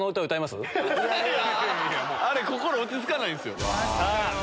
あれ心落ち着かないんすよ。